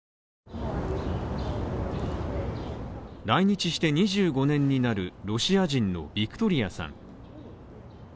来日して２５年になるロシア人のビクトリアさん